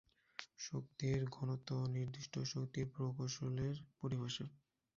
শক্তির ঘনত্ব ও নির্দিষ্ট শক্তি প্রকৌশলের পরিভাষা।